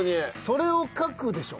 それを書くでしょ